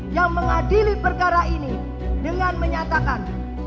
yang mengadili perkara ini dengan menyatakan